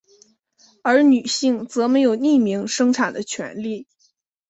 而女性则没有匿名生产的权力。